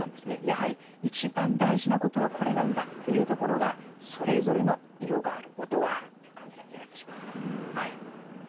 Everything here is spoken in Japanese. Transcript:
やはり一番大事なことはこれなんだというところがそれぞれの色がある音があるという感じなんじゃないでしょうか。